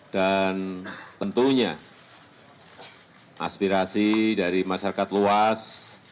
dan tentunya aspirasi dari masyarakat luas